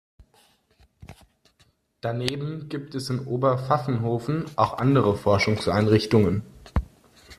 Daneben gibt es in Oberpfaffenhofen auch andere Forschungseinrichtungen.